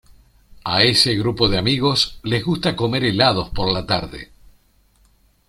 A ese grupo de amigos les gusta comer helados por la tarde.